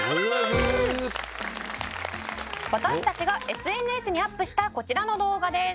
「私たちがＳＮＳにアップしたこちらの動画です」